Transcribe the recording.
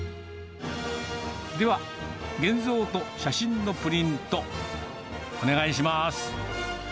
では、現像と写真のプリント、お願いしまーす。